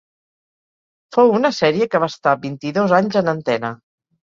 Fou una sèrie que va estar vint-i-dos anys en antena.